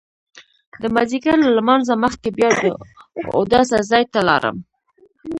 د مازیګر له لمانځه مخکې بیا د اوداسه ځای ته لاړم.